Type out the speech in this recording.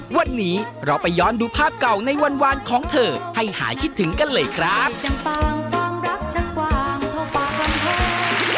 วันนี้เราไปย้อนดูภาพเก่าในวันวานของเธอให้หายคิดถึงกันเลยครับ